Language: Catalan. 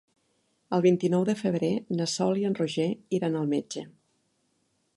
El vint-i-nou de febrer na Sol i en Roger iran al metge.